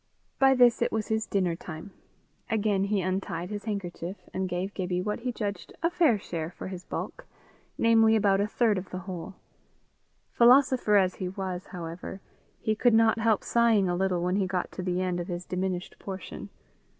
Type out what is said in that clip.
By this it was his dinner time. Again he untied his handkerchief, and gave Gibbie what he judged a fair share for his bulk namely about a third of the whole. Philosopher as he was, however, he could not help sighing a little when he got to the end of his diminished portion.